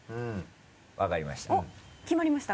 分かりました。